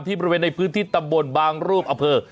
บริเวณในพื้นที่ตำบลบางรูปอเภอ